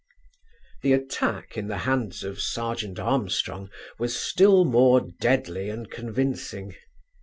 The attack in the hands of Serjeant Armstrong was still more deadly and convincing.